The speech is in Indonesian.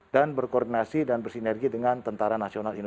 dan berkoordinasi dan bersinergi dengan tentara nasional